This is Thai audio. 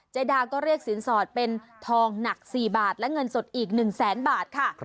ดาก็เรียกสินสอดเป็นทองหนัก๔บาทและเงินสดอีก๑แสนบาทค่ะ